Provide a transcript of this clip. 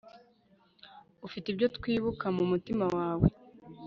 ufite ibyo twibuka mu mutima wawe